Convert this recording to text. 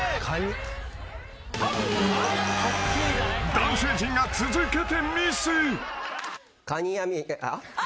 ［男性陣が続けてミス］